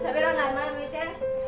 前向いて。